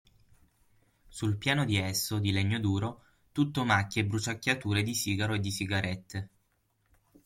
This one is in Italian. Sul piano di esso, di legno duro, tutto macchie e bruciacchiature di sigaro e di sigarette.